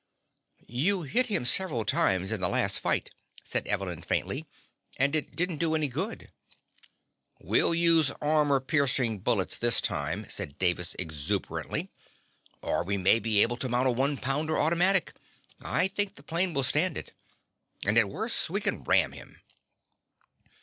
"You hit him several times in the last fight," said Evelyn faintly, "and it didn't do any good." "We'll use armor piercing bullets this time," said Davis exuberantly. "Or we may be able to mount a one pounder automatic. I think the plane will stand it. And at worst we can ram him."